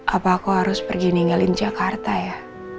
apa aku harus pergi ninggalin jakarta ya